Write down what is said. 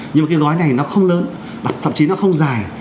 nhưng mà cái gói này nó không lớn và thậm chí nó không dài